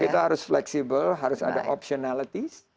kita harus fleksibel harus ada optionality